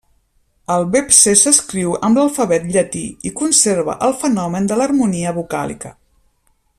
El vepse s'escriu amb l'alfabet llatí i conserva el fenomen de l'harmonia vocàlica.